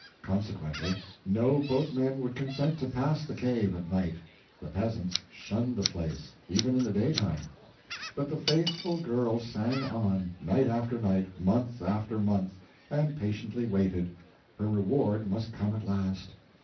Consequently, no boatmen would consent to pass the cave at night; the peasants shunned the place, even in the daytime. But the faithful girl sang on, night after night, month after month, and patiently waited; her reward must come at last.